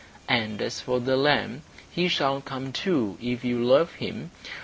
And as for the lamb, he shall come too, if you love him.